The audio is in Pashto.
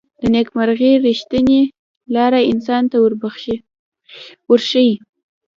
د نیکمرغۍ ریښتینې لاره انسان ته ورښيي.